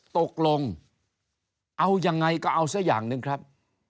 ตกลงเอายังไงก็เอาซะอย่างหนึ่งครับ